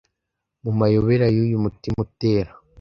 Mumayobera yuyu mutima utera